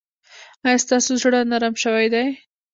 ایا ستاسو زړه نرم شوی دی؟